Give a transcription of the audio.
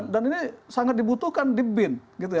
dan ini sangat dibutuhkan di bin